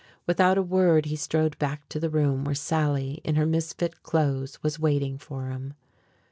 Without a word he strode back to the room where Sally in her misfit clothes was waiting for him.